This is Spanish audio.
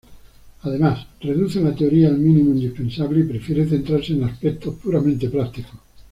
Además, reduce la teoría al mínimo indispensable y prefiere centrarse en aspectos puramente prácticos.